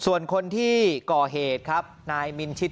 ส่วนคนที่ก่อเหตุครับนายมินชิต